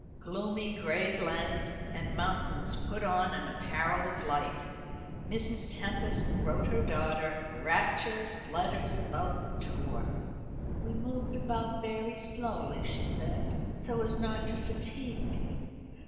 Gloomy gray glens and mountains put on an apparel of light. Mrs. Tempest wrote her daughter rapturous letters about the tour. "We move about very slowly," she said, "so as not to fatigue me.